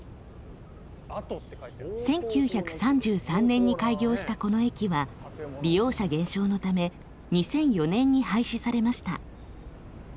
１９３３年に開業したこの駅は利用者減少のため２００４年に廃止されました。